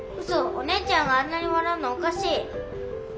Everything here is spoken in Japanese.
お姉ちゃんがあんなにわらうのおかしい。